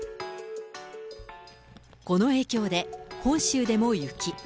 この影響で、本州でも雪。